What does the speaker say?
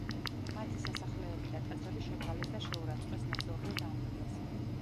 მათი სასახლეები და ტაძრები შებღალეს და შეურაცხყვეს, ნაწილობრივ დაანგრიეს.